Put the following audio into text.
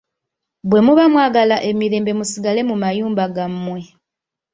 Bwe muba mwagala emirembe musigale mu mayumba gammwe.